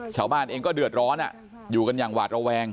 ชาวบ้านเองก็เดือดร้อนอยู่กันอย่างหวาดระแวง